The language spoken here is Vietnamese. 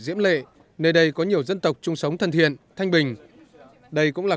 diễm lệ nơi đây có nhiều dân tộc chung sống thân thiện thanh bình đây cũng là